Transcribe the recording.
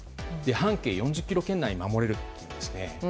半径４０ｋｍ圏内を守れるというんですね。